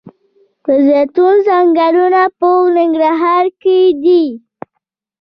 د زیتون ځنګلونه په ننګرهار کې دي؟